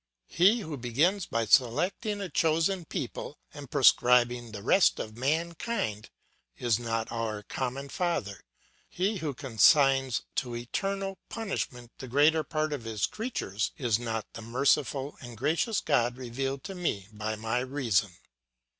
He who begins by selecting a chosen people, and proscribing the rest of mankind, is not our common father; he who consigns to eternal punishment the greater part of his creatures, is not the merciful and gracious God revealed to me by my reason.